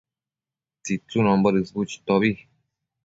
tsitsunombo dësbu chitobi